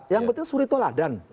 yang penting suri toh ladan